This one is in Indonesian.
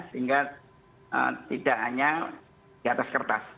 sehingga tidak hanya di atas kertas